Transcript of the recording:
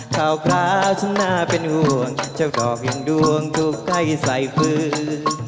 เท่าขาฉันหน้าเป็นห่วงเจ้าดอกอย่างดวงตุกให้ใส่ฟื้น